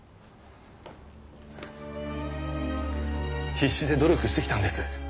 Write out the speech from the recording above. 必死で努力してきたんです。